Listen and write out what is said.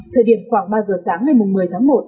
thời điểm khoảng ba giờ sáng ngày một mươi tháng một